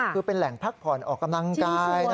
คือเป็นแหล่งพักผ่อนออกกำลังกาย